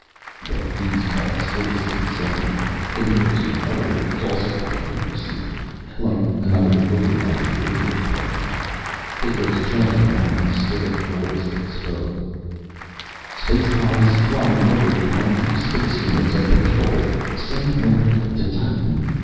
But these calls still seemed secondary, compared to other words also coming from the receiver, like another, overlapping radio program. It was Trenton Lauren's scared voice that spoke: "Space Colonists' Supply, Incorporated, calling deep space units of patrol! Send more help to Titan!